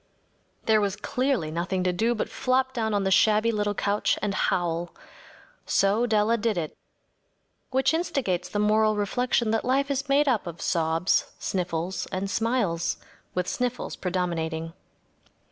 There was clearly nothing to do but flop down on the shabby little couch and howl. So Della did it. Which instigates the moral reflection that life is made up of sobs, sniffles, and smiles, with sniffles predominating.